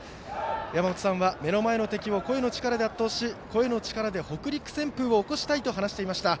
やまもとさんは目の前の敵を声の力で圧倒し声の力で北陸旋風を起こしたいと話していました。